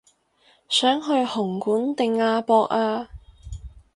想去紅館定亞博啊